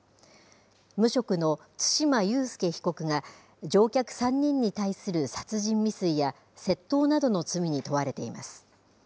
無職の對馬悠介被告が乗客３人に対する殺人未遂や窃盗などの罪に問われています。